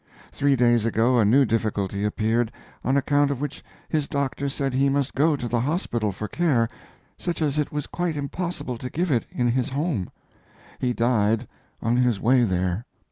Three days ago a new difficulty appeared, on account of which his doctor said he must go to the hospital for care such as it was quite impossible to give in his home. He died on his way there.